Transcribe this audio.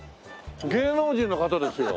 芸能人の方ですよ。